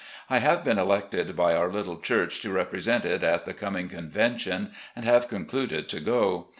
I have been elected by our little church to represent it at the coming convention, and have concluded to go.